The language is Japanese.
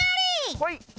はい。